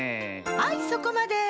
はいそこまで！